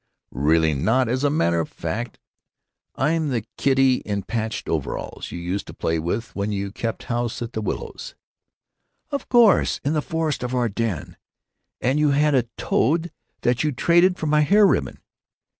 "Really not. As a matter of fact, I'm the kiddy in patched overalls you used to play with when you kept house in the willows." "Oh, of course! In the Forest of Arden! And you had a toad that you traded for my hair ribbon."